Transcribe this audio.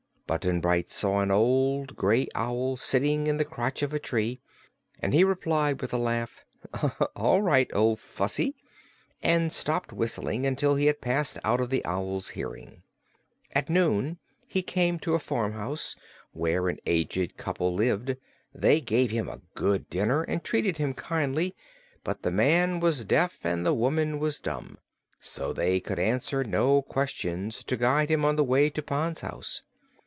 Button Bright saw an old gray owl sitting in the crotch of a tree, and he replied with a laugh: "All right, old Fussy," and stopped whistling until he had passed out of the owl's hearing. At noon he came to a farmhouse where an aged couple lived. They gave him a good dinner and treated him kindly, but the man was deaf and the woman was dumb, so they could answer no questions to guide him on the way to Pon's house.